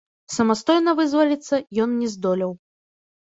Самастойна вызваліцца ён не здолеў.